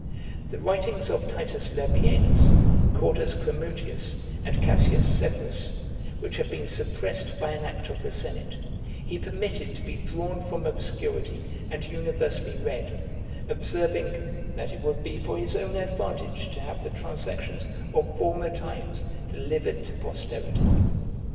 The writings of Titus Labienus, Cordus Cremutius, and Cassius Severus, which had been suppressed by an act of the senate, he permitted to be drawn from obscurity, and universally read; observing, "that it would be for his own advantage to have the transactions of former times delivered to posterity."